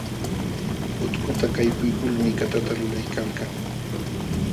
Utkuta kaypuykulmi katata lulaykalkan.